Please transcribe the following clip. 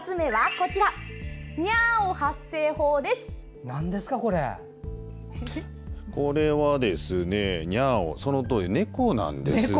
これはですねにゃーお、そのとおり猫なんですよね。